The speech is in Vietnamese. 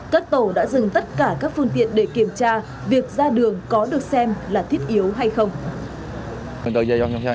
các tổ đã dừng tất cả các phương tiện để kiểm tra việc ra đường có được xem là thiết yếu hay không